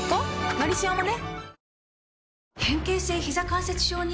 「のりしお」もね